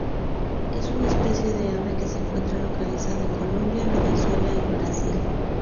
Es una especie de ave que se encuentra localizada en Colombia, Venezuela y Brasil.